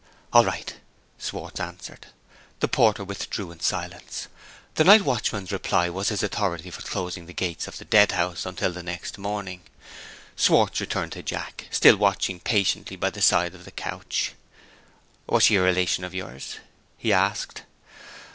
"All right," Schwartz answered. The porter withdrew in silence. The night watchman's reply was his authority for closing the gates of the Deadhouse until the next morning. Schwartz returned to Jack still watching patiently by the side of the couch. "Was she a relation of yours?" he asked.